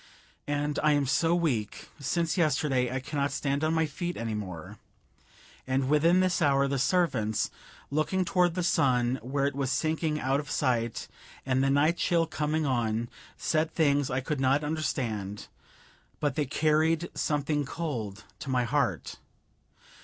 And I am so weak; since yesterday I cannot stand on my feet anymore. And within this hour the servants, looking toward the sun where it was sinking out of sight and the night chill coming on, said things I could not understand, but they carried something cold to my heart.